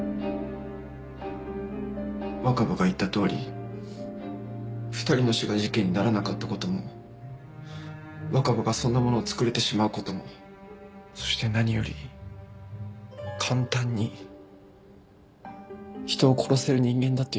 若葉が言ったとおり２人の死が事件にならなかった事も若葉がそんなものを作れてしまう事もそして何より簡単に人を殺せる人間だという事が。